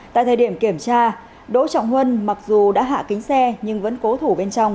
tại thời điểm kiểm tra đỗ trọng huân mặc dù đã hạ kính xe nhưng vẫn cố thủ bên trong